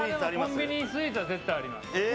コンビニスイーツは絶対あります。